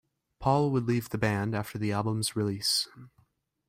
Paul would leave the band after the albums release.